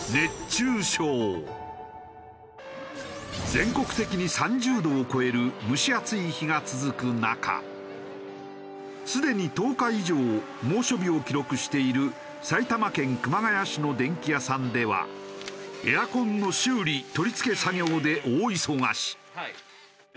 全国的に３０度を超える蒸し暑い日が続く中すでに１０日以上猛暑日を記録している埼玉県熊谷市の電器屋さんではエアコンの修理取り付け作業で大忙し。